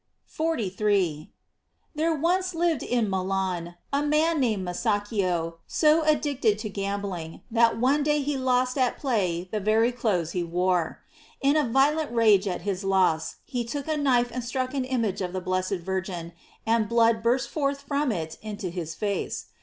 * 43. — There lived once in Milan a man named Masaccio, so addicted to gambling, that one day he lost at play the very clothes he wore. In a violent rage at his loss, he took a knife and struck an image of the blessed Virgin, and blood burst forth from it into his face.